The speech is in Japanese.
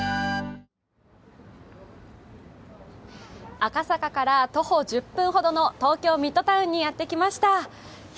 赤坂から徒歩１０分ほどの東京ミッドタウンにやってきました。